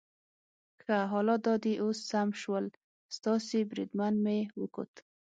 ښه، حالات دا دي اوس سم شول، ستاسي بریدمن مې وکوت.